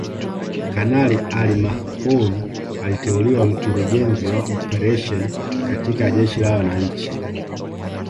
Kanali Ali Mahfoudh aliteuliwa Mkurugenzi wa Operesheni katika Jeshi la Wananchi